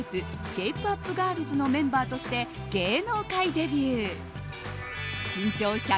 シェイプＵＰガールズのメンバーとして芸能界デビュー。